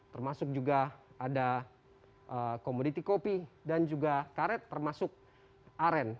termasuk juga ada komoditi kopi dan juga karet termasuk aren